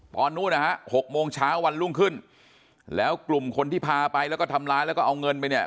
ตอนนู้นนะฮะ๖โมงเช้าวันรุ่งขึ้นแล้วกลุ่มคนที่พาไปแล้วก็ทำร้ายแล้วก็เอาเงินไปเนี่ย